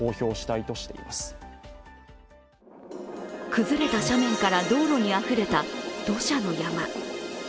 崩れた斜面から道路にあふれた土砂の山。